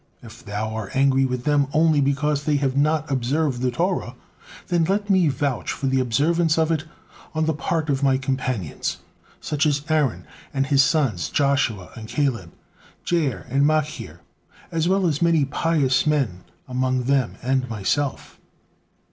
If Thou are angry with them only because they have not observed the Torah, then let me vouch for the observance of it on the part of my companions, such as Aaron and his sons, Joshua and Caleb, Jair and Machir, as well as many pious men among them, and myself."